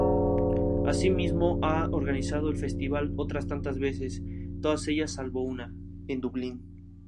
Asimismo, ha organizado el Festival otras tantas veces; todas ellas, salvo una, en Dublín.